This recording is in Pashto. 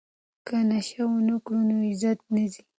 که نشه ونه کړو نو عزت نه ځي.